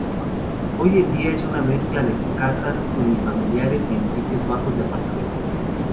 Hoy en día es una mezcla de casas unifamiliares y edificios bajos de apartamentos.